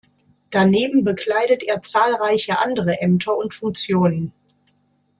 Daneben bekleidet er zahlreiche andere Ämter und Funktionen.